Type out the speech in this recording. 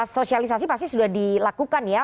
sosialisasi pasti sudah dilakukan ya